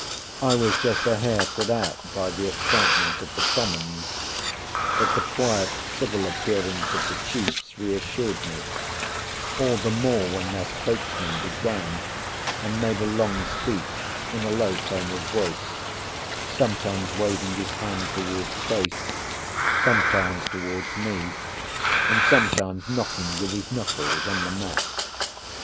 I was just a hair put out by the excitement of the commons, but the quiet civil appearance of the chiefs reassured me, all the more when their spokesman began and made a long speech in a low tone of voice, sometimes waving his hand towards Case, sometimes toward me, and sometimes knocking with his knuckles on the mat.